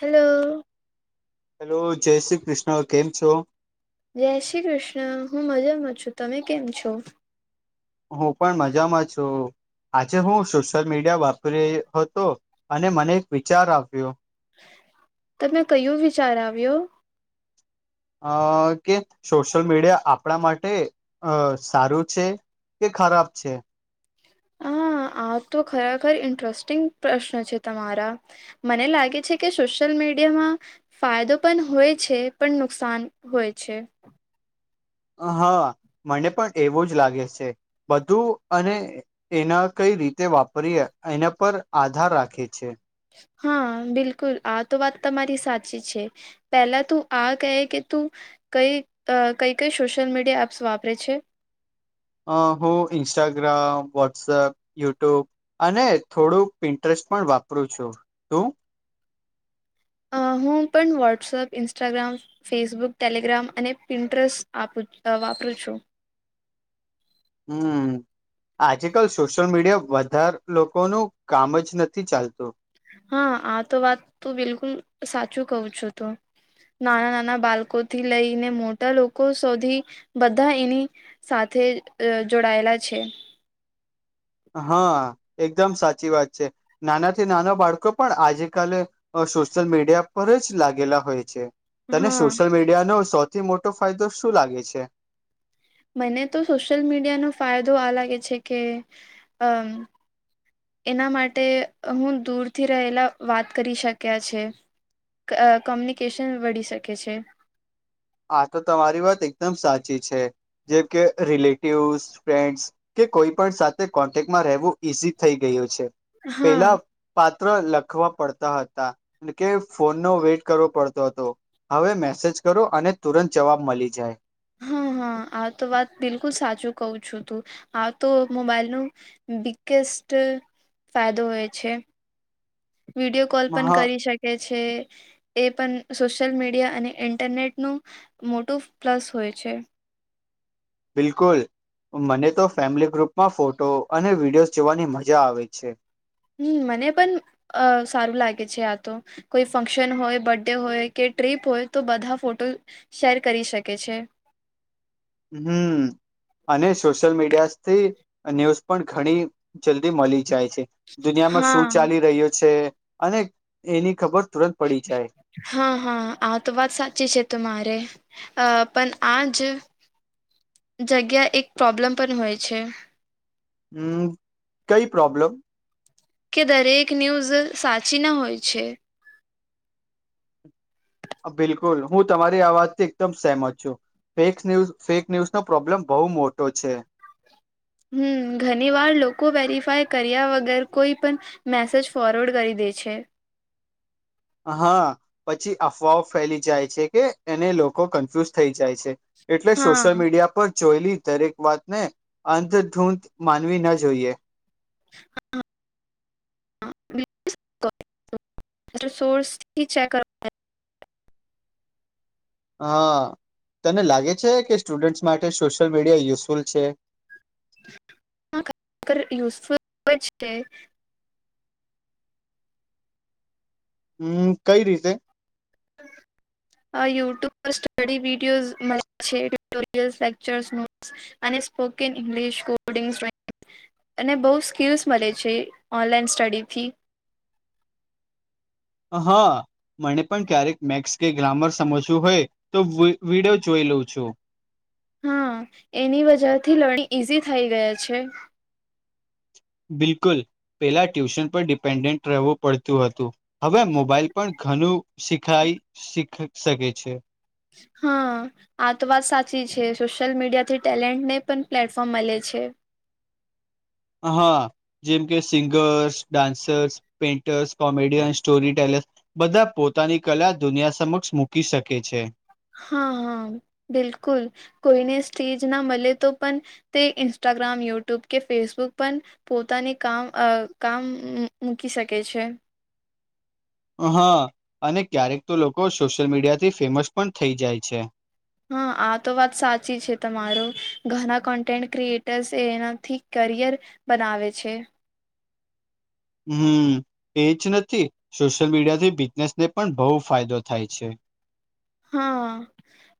Hello. Hello જય શ્રી કૃષ્ણ કેમ છો. જય શ્રી કૃષ્ણ હું મજા માં છું તમે કેમ છો? હું પણ મજામાં છું. આજે હું સોશિયલ મીડિયા વાપરીયો હતો અને મને એક વિચાર આવ્યો તમે કયું વિચાર આવ્યો? અ કે સોશિયલ મીડિયા આપણા માટે અ સારું છે? કે ખરાબ છે? હા આ તો ખરેખર ઈન્ટ્રસ્ટિંગ પ્રશ્ન છે તમારા. મને લાગે છે, કે સોશિયલ મીડિયામાં ફાયદો પણ હોય છે, પણ નુકસાન હોય છે. હા મને પણ એવું જ લાગે છે, બધું અને એના કઈ રીતે વાપરીએ એના પર આધાર રાખે છે. હા બિલકુલ આ તો વાત તમારી સાચી છે. પહેલા તું આ કહે કે તું કઈ અ કઈ કઈ સોશિયલ મીડિયા એપ્સ વાપરે છે? અ હું ન્સ્ટાગ્રામ, વોટ્સઅપ, યુટ્યુબ, અને થોડુંક પિન્ટ્રેસ્ટ પણ વાપરું છું, તું? અ હું પણ વોટ્સઅપ, ઇન્સ્ટાગ્રામ, ફેસબુક, ટેલિગ્રામ, અને પ્રિન્ટરસ આપ વાપરું છું. હમ. આજકાલ સોશિયલ મીડિયા વધારે લોકોનું કામ જ નથી ચાલતું હા આ તો વાત તું બિલકુલ સાચું કઉ છું, તો નાના નાના બાળકો થી લઈને મોટા લોકો સુધી બધા એની સાથે જોડાયેલા છે. હા એકદમ સાચી વાત છે નાનાથી નાનો બાળકો પણ આજે કાલે અ સોશિયલ મીડિયા પર જ લાગેલા હોય છે. તને હા સોશિયલ મીડિયાનો સૌથી મોટો ફાયદો શું લાગે છે. મને તો સોશિયલ મીડિયાનો ફાયદો આ લાગે છે કે અમ એના માટે હું દૂરથી રહેલા વાત કરી શક્યા છે. ક કોમ્યુનિકેશન વઢી શકે છે. આ તો તમારી વાત એકદમ સાચી છે જેમ કે રિલેટિવસ ફ્રેન્ડસ કે કોઈ પણ સાથે કોન્ટેક્ટમાં રહેવું ઈઝી થઈ ગયું છે હા પેલા પાત્ર લખવા પડતા હતા કે ફોનનો વેઇટ કરવો પડતો હતો. હવે મેસેજ કરો અને તુરંત જવાબ મલી જાય. હા હા આ તો વાત બિલકુલ સાચું કહુ છું તું આ તો મોબાઈલ નો બિગ્ગેસ્ટ ફાયદો હોય છે. વિડીયો કોલ પણ હા કરી શકે છે. એ પણ સોશિયલ મીડિયા અને ઇન્ટરનેટનું મોટું પ્લસ હોય છે. બિલકુલ મને તો ફેમિલી ગ્રુપમાં ફોટો અને વિડીયોઝ જોવાની મજા આવે છે. હમ મને પણ અ સારું લાગે છે આ તો. કોઈ ફંક્શન હોય બર્થ ડે હોય કે ટ્રીપ હોય તો બધા ફોટો શેર કરી શકે છે. હમ અને સોશિયલ મીડિયા થી ન્યૂઝ પણ ઘણી જલ્દી મલી જાય છે દુનિયામાં શું હા ચાલી રહ્યુ છે અને એની ખબર તુરત પડી જાય. હા હા આ તો વાત સાચી છે તમારે અ પણ આજ જગ્યા એક પ્રોબ્લમ પણ હોય છે. હમ કઈ પ્રોબ્લેમ. કે દરેક ન્યૂઝ સાચી ના હોય છે. બિલકુલ હું તમારી આ વાતથી એકદમ સહેમત છું. ફેકસ ન્યૂઝ ફેક ન્યૂઝ નો પ્રોબ્લેમ બહુ મોટો છે. હમ ઘણી વાર લોકો વેરીફાય કર્યા વગર કોઈ પણ મેસેજ ફોરવર્ડ કરી દે છે. હા પછી અફવાઓ ફેલી જાય છે કે એને લોકો કન્ફ્યુઝ થઈ જાય છે. એટલે હા સોશિયલ હા મીડિયા પર જોયલી દરેક વાતને અંધધૂંધ માનવી ના જોઈએ. હા. [inaudible] સોર્સથી ચેક હા તને લાગે છે કે સ્ટુડન્ટ્સ માટે સોશિયલ મીડિયા યુઝફુલ છે. ખરેખર યુઝફુલ પણ છે. હમ કઈ રીતે. [inaudible] આ યુટ્યુબ પર સ્ટડી વિડીયોઝ મળે છે ટ્યુટોરયલ લેક્ચર્સ [inaudible] અને સ્પોકન ઇંગ્લિશ કોડિંગસ [inaudible] અને બહુ સ્કિલ્સ મળે છે ઓનલાઈન સ્ટડીથી. હા. મને પણ ક્યારેક મેક્સ કે ગ્રામર સમજવું હોય તો હું એક વિડિયો જોઈ લઉં છું. હા એની વજહ થી લર્નિંગ ઈઝી થઈ ગયા છે. બિલકુલ પેલા ટ્યુશન પર ડિપેન્ડન્ટ રહેવું પડતું હતું. હવે મોબાઈલ પણ ઘણું શીખાય શીખ શકે છે. હા. આ તો વાત સાચી છે સોશિયલ મીડિયા થી ટેલેન્ટ ને પણ પ્લેટફોર્મ મલે છે. હા જેમ કે singers dancers. Painters comedian story teller બધા પોતાની કલા દુનિયા સમક્ષ મૂકી શકે છે. હા હા બિલકુલ કોઈને સ્ટેજ ના મળે તો પણ. તે ન્સ્ટાગ્રામ ુટ્યુબ કે ફેસબુક પણ. પોતાને કામ કામ મૂકી શકે છે. હા અને ક્યારેક તો લોકો સોશિયલ મીડિયા થી ફેમસ પણ થઈ જાય છે. હા આ તો વાત સાચી છે તમારું ઘણા કન્ટેન્ટ ક્રિએટર્સ એનાથી કરિયર. બનાવે છે. હમ એજ નથી સોશિયલ મીડિયા થી બિઝનેસ ને પણ બહુ ફાયદો થાય છે. હા.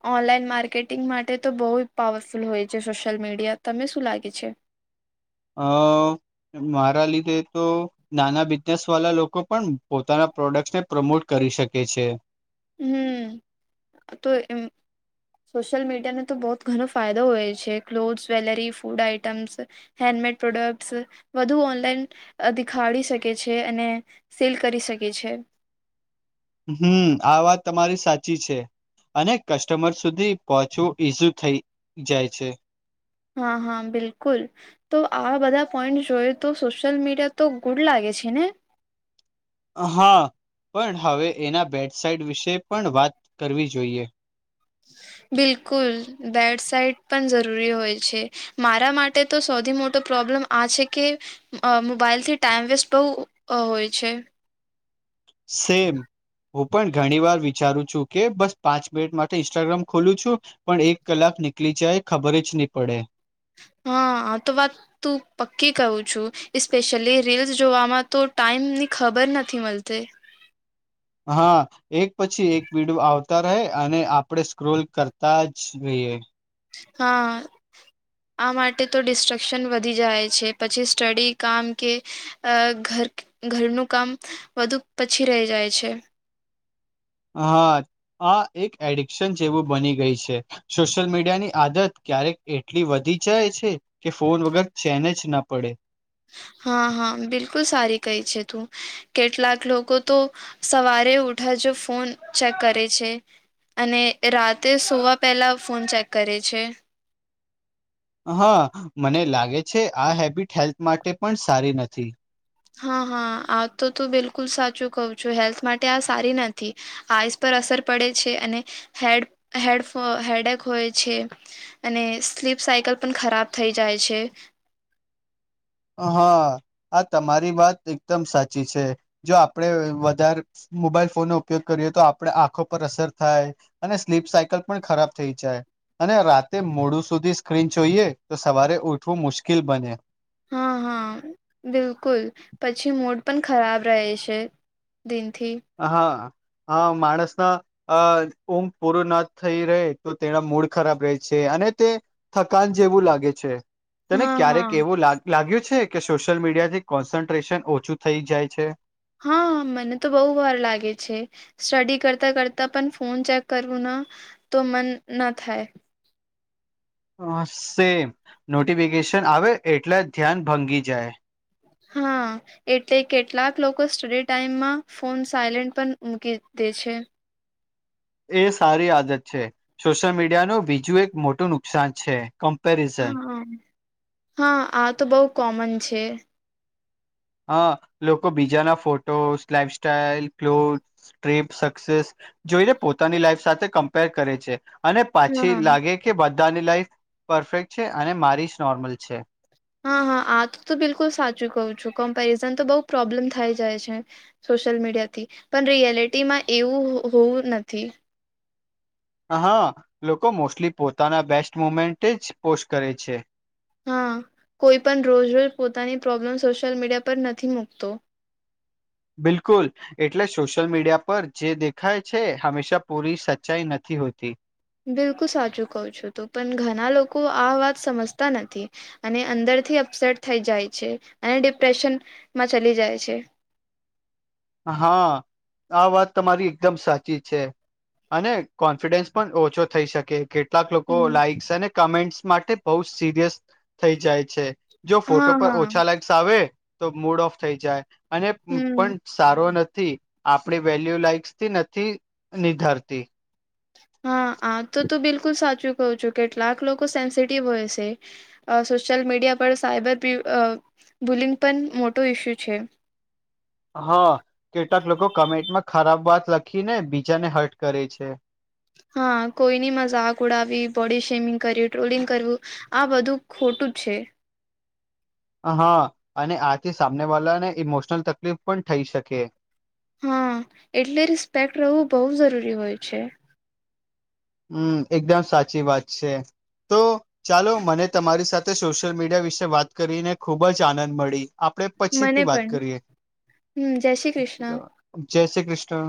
ઓનલાઈન માર્કેટિંગ માટે તો બહુ પાવરફુલ હોય છે સોશિ્યલ મીડિયા તને શું લાગે છે. અ મારા લીધે તો. નાના બિઝનેસ વાળા લોકો પણ પોતાના પ્રોડક્ટ ને પ્રમોટ કરી શકે છે. હમ તો એમ. સોશિયલ મીડિયા ને તો બહુત ઘણો ફાયદો હોય છે clothes jewellery food items. Handmade products વધુ ઓનલાઈન દેખાડી શકે છે અને સેલ કરી શકે છે. હમ આ વાત તમારી સાચી છે. અને કસ્ટમર સુધી પહોંચવું ઈઝુ થઇ જાય છે. હા હા બિલકુલ. તો આવા બધા પોઈન્ટ જોઈએ તો સોશિયલ મીડિયા તો ગુડ લાગે છે ને. હા પણ હવે એના બેટ સાઇડ વિશે પણ વાત કરવી જોઈએ. બિલકુલ બેડ સાઇટ પણ જરૂરી હોય છે. મારા માટે તો સૌથી મોટો પ્રોબ્લેમ આ છે કે. અ મોબાઈલથી ટાઈમ વેસ્ટ બહુ હોય છે. સેમ. હું પણ ઘણી વાર વિચારું છું કે બસ પાંચ મિનિટ માટે ઇન્સ્ટાગ્રામ ખોલું છું. પણ એક કલાક નીકળી જાય ખબર જ નહી પડે હા તો વાત. તું પક્કી કહું છું પેશિયલી રીલ્સ જોવામાં તો ટાઈમ ની ખબર નથી મળતી. હા. એક પછી એક વિડયો આવતા રહે અને આપણે સ્ક્રોલ કરતા જ રઈએ. હા. આ માટે તો ડિસ્ટ્રક્શન વધી જાય છે પછી સ્ટડી કામ કે અ ઘર ઘરનું કામ વધુ પછી રહી જાય છે હા આ એક એડિક્શન જેવું બની ગઈ છે સોશિયલ મીડિયા ની આદત ક્યારેક એટલી વધી જાય છે. કે ફોન વગર છેન જ ના પડે. હા હા બિલકુલ સારી કઈ છે તું. કેટલાક લોકો તો સવારે ઉઠા જો ફોન ચેક કરે છે. અને રાતે સોવા પહેલા ફોન ચેક કરે છે. હા મને લાગે છે આ હેબિટ હેલ્થ માટે પણ સારી નથી. હા હા આ તો તું બિલકુલ સાચું કઉ છું હેલ્થ માટે આ સારી નથી. આઈસ પર અસર પડે છે અને હેડ હેડ હેડેક હોય છે. અને સ્લીપ સાયકલ પણ ખરાબ થઈ જાય છે હા આ તમારી વાત એકદમ સાચી છે જો આપડે વધારે મોબાઈલ ફોનનોો ઉપયોગ કરીએ તો આપણે આંખો પર અસર થાય અને સ્લીપ સાયકલ પણ ખરાબ થઈ જાય અને રાતે મોડું સુધી સ્ક્રીન જોઈએ તો સવારે ઉઠવું મુશ્કેલ બને હા હા બિલકુલ પછી મડ પણ ખરાબ રહે છે દનથી હા હ માણસ અ ઊંઘ પૂરો ના થઈ રહે તો તેના મૂડ ખરાબ રહે છે અને તે થકાન જેવું લાગે છે તને હા હા ક્યારેક એવું લાગ્યું છે કે સોશિયલ મીડિયા થી કોન્સન્ટ્રેશન ઓછું થઈ જાય છે હા મને તો બહુ વાર લાગે છે સ્ટડી કરતા કરતા પણ ફોન ચેક કરવું ના તો મન ના થાય હ સેમ નોટિફિકેશન આવે એટલે ધ્યાન ભંગી જાય હા એટલે કેટલાક લોકો સ્ટડી ટાઈમમાં ફોન સાયલેન્ટ પણ મૂકી દે છે એ સારી આદત છે સોશિયલ મીડિયા ન બીજું એક મોટું નુકસાન છે કમપેરિઝન હા હા આ તો બહુ કોમન છે હા લોકો બીજાના photo life સાઈલ cloth trip success જોઈને પોતાની લાઈફ સાથે કમ્પેર કરે છે અને હા પાછી લાગે કે બધાની લાઈફ પરફેક્ટ છે અને મારી જ નોર્મલ છે હા હા આ તો તો બિલકુલ સાચું કવું છું કમ્પેરિઝન તો બઉુ પ્રોબ્લેમ થઈ જાય છે સોશિયલ મીડિયા થી પણ રિયાલિટીમાં એવું હોવું નથી હા લોકો મોસ્ટલી પોતાના બેસ્ટ મુમેન્ટ જ પોસ્ટ કરે છે હા કોઈ પણ રોજ રોજ પોતાની પ્રોબ્લેમ સોશિયલ મીડિયા પર નથી મૂકતો બિલકુલ એટલે સોશિયલ મીડિયા પર જે દેખાય છે હંમેશા પૂરી સચ્ચાઈ નથી હોતી બિલકુલ સાચું કું છું તોું પણ ઘણા લોકો આ વાત સમજતા નથી અને અંદરથી અપસેટ થઈ જાય છે અને ડિપ્રેશનમાં ચલી જાય છે હા આ વાત તમારી એકદમ સાચી છે અને કોન્ફિડન્સ પણ ઓછો થઈ શકે કે કેટલાક લોકો હમ લાઈક્સ અને કમેન્ટ્સ માટે બહુ સિરિયસ થઈ જાય છે જો હા ફોટો પર હા ઓછા લાાઈક્સ આવે તો મૂડ ઓફ થઈ જાય અને હમ પણ સારો નથી આપડી વેલ્યુ લાઈક્સ થી નથી નિધારતી હા હા તો તું બિલકુલ સાચું કઉ છુ કેટલાક લોકો સેન્સિટિવ હોય છે સોશિયલ મીડિયા પર સાયબર બુલિંગ પણ મોટો ઇસ્યુ છે હા કેટલાક લોકો કમેન્ટમાં ખરાબ વાત લખી ને બીજાને હર્ટ કરે છે હા કોઈની મજાક ઉડાવી બોડી શેમિંગ કરવી ટ્રોલિંગ કરવું આ બધું ખોટું છે હા અને આથી સામને વાળા ને ઇમોશનલ તકલીફ પણ થઈ શકે હા એટલે રિસ્પેક્ટ રહેવું બહુ જરૂરી હોય છે હમ એકદમ સાચી વાત છે તો ચાલો મને તમારી સાથે સોશિયલ મીડિયા વિશે વાત કરીને ખુબ જ આનંદ મળી આપણેે પછી મને થી વાત પણ કરીએ હમ જય શ્રી કૃષ્ણ જય શ્રી કૃષ્ણ